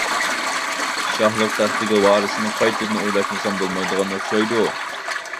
شاھلىق تەختىگە ۋارىسنى قايتىدىن ئويلاشمىسام بولمايدىغان ئوخشايدۇ.